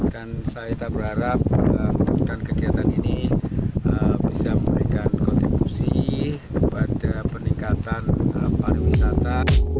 dan saya berharap kegiatan ini bisa memberikan kontribusi kepada peningkatan para wisata